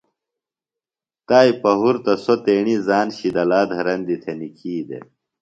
تائی پہُرتہ سوۡ تیٹیۡ زان شِدہ لا دھرندیۡ تھےۡ نِکھی دےۡ۔